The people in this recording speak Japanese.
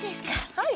はい。